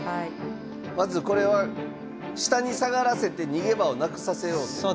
まずこれは下に下がらせて逃げ場をなくさせようっていう？